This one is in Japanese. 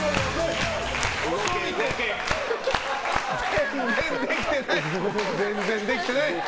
全然できてない。